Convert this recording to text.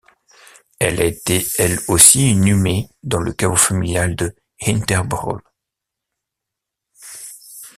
Elle a été elle aussi inhumée dans le caveau familial de Hinterbrühl.